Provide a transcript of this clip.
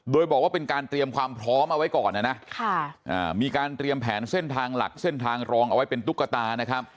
โดยบอกว่าเป็นการเตรียมความพร้อมเอาไว้ก่อนนะนะมีการเตรียมแผนเส้นทางหลักเส้นทางรองเอาไว้เป็นตุ๊กตานะครับ